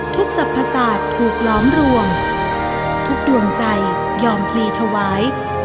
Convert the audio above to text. ทุกศัพท์ภาษาถูกล้อมรวมทุกดวงใจยอมพลีถวาย